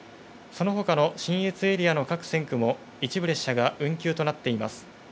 そのほかの信越エリアの各線区も一部列車が運休となっています。